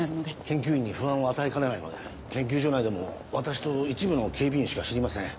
研究員に不安を与えかねないので研究所内でも私と一部の警備員しか知りません。